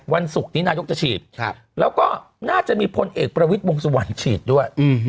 วันศุกร์นี้นายกจะฉีดแล้วก็น่าจะมีพลเอกประวิทย์วงสุวรรณฉีดด้วย